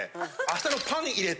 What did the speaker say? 明日のパン入れ。